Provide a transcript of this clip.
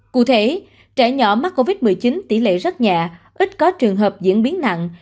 cụ thể trẻ nhỏ mắc covid một mươi chín tỷ lệ rất nhẹ ít có trường hợp diễn biến nặng